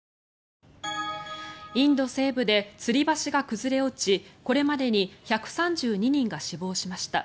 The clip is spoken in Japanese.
インド西部でつり橋が崩れ落ちこれまでに１３２人が死亡しました。